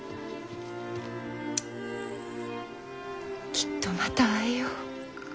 きっとまた会えよう。